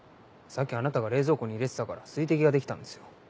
さっきあなたが冷蔵庫に入れてたから水滴が出来たんですよ。